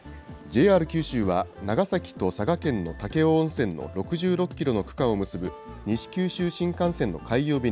ＪＲ九州は、長崎と佐賀県の武雄温泉の６６キロの区間を結ぶ、西九州新幹線の開業